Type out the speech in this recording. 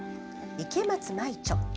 池松舞著。